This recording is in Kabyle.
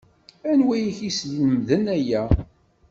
Anwa i k-yeslemden aya?